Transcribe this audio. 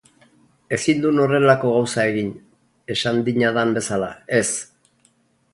Ezin dun horrelako gauza egin, esan dinadan bezala, ez...